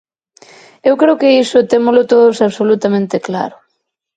Eu creo que iso témolo todos absolutamente claro.